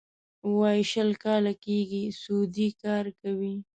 ویل یې شل کاله کېږي سعودي کار کوي.